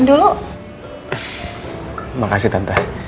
terima kasih tante